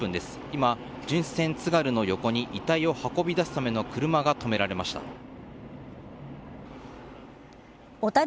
今、巡視船「つがる」の横に遺体を運び出すための車が止められました。